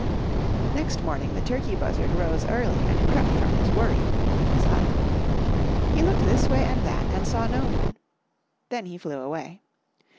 " Next morning the Turkey Buzzard rose early and crept from his wuurie. 1 He looked this way and that and saw no one. Then he flew away.